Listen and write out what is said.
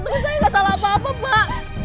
temen saya nggak salah apa apa pak